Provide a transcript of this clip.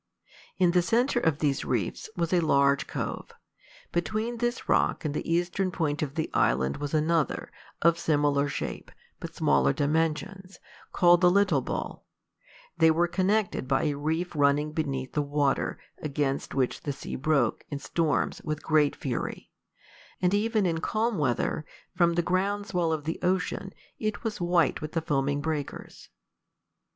In the centre of these reefs was a large cove. Between this rock and the eastern point of the island was another, of similar shape, but smaller dimensions, called the Little Bull: they were connected by a reef running beneath the water, against which the sea broke, in storms, with great fury; and even in calm weather, from the ground swell of the ocean, it was white with the foaming breakers.